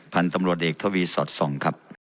พันธุ์ตำรวจเอกทวีสอดส่องครับ